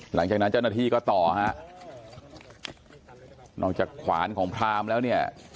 หลังจากนั้นเจ้าหน้าที่ก็ต่อฮะนอกจากขวานของพรามแล้วเนี่ย